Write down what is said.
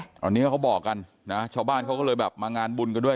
ตอนนี้เขาบอกกันนะชาวบ้านเขาก็เลยแบบมางานบุญกันด้วย